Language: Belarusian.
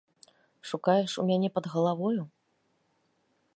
Шукаеш у мяне пад галавою?